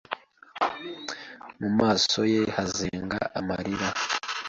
mu maso ye hazenga amarira.